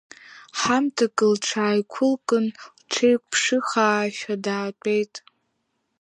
Ҳамҭакы лҽааиқәылкын лҽеиқәԥшьыхаашәа даатәеит…